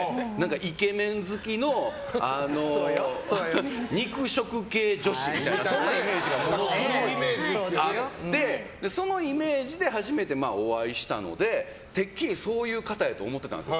イケメン好きの肉食系女子みたいなそんなイメージがあってそのイメージで初めてお会いしたのでてっきりそういう方やと思ってたんです。